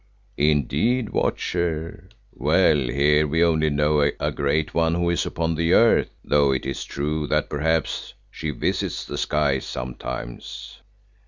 "Indeed, Watcher. Well, here we only know a Great One who is upon the earth, though it is true that perhaps she visits the skies sometimes."